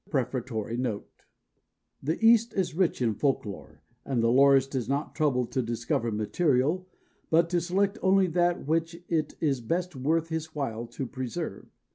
1889 PREFATORY NOTE The East is rich in Folklore, and the lorist is not troubled to discover material, but to select only that which it is best worth his while to preserve.